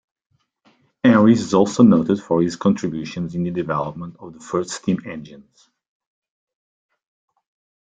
Henry is also noted for his contributions in development of the first steam engines.